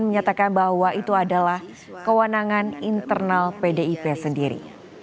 menyatakan bahwa itu adalah kewenangan internal pdip sendiri